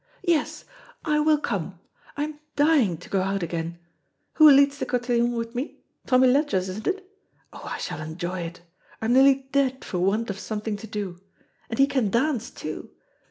"Yes, I will come. I am dying to go out again. Who leads the cotillion with me? Tommy Ledgers, isn't it? Oh, I shall enjoy it. I'm nearly dead for want of something to do. And he can dance, too.